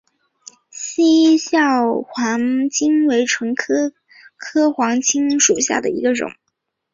西畴黄芩为唇形科黄芩属下的一个种。